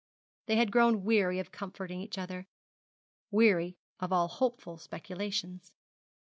They had grown weary of comforting each other weary of all hopeful speculations.